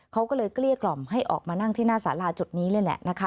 เขาก็เลยเกลี้ยกล่อมให้ออกมานั่งที่หน้าสาราจุดนี้เลยแหละนะคะ